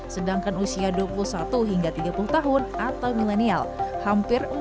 sedangkan usia dua puluh satu hingga tiga puluh tahun atau milenial hampir empat puluh tahun